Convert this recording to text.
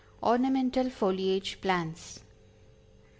Ornamental Foliage Plants.